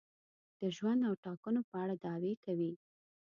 د ژوند او ټاکنو په اړه دعوې کوي.